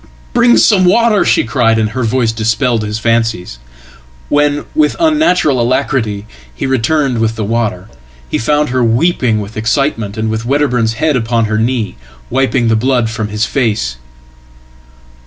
"Bring some water!" she cried, and her voice dispelled his fancies. When, with unnatural alacrity, he returned with the water, he found her weepingwith excitement, and with Wedderburn's head upon her knee, wiping theblood from his face."